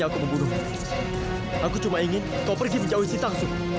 kamu hebat rigawan